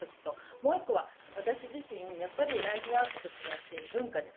もう１個は私自身ライフワークとしている文化です。